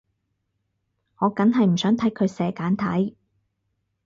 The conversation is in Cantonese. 我梗係唔想睇佢寫簡體